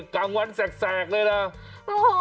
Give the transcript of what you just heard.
กลางวันแสกเลยนะ